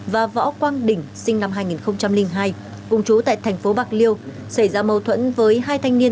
và võ quang đỉnh sinh năm hai nghìn hai cùng chú tại thành phố bạc liêu xảy ra mâu thuẫn với hai thanh niên